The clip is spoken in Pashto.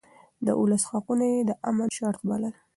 د ولس حقونه يې د امن شرط بلل.